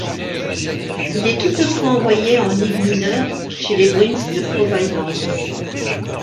Il est toutefois envoyé en ligue mineure chez les Bruins de Providence.